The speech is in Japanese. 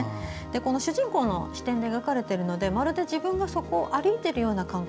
主人公の視点で描かれているのでまるで自分がそこを歩いているような感覚。